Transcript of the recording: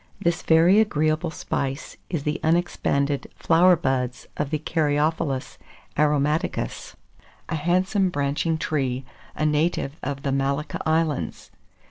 This very agreeable spice is the unexpanded flower buds of the Caryophyllus aromaticus, a handsome, branching tree, a native of the Malacca Islands.